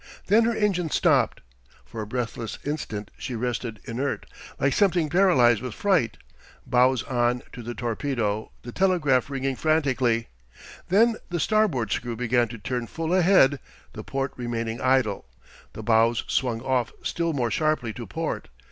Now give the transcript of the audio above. Then her engines stopped. For a breathless instant she rested inert, like something paralyzed with fright, bows on to the torpedo, the telegraph ringing frantically. Then the starboard screw began to turn full ahead, the port remaining idle. The bows swung off still more sharply to port.